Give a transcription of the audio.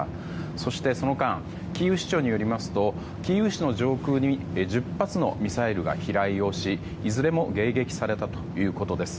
そして、その間キーウ市長によりますとキーウ市の上空に１０発のミサイルが飛来をしいずれも迎撃されたということです。